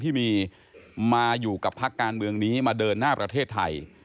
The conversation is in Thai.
ทางการเมืองนี้มาเดินหน้าประเทศไทย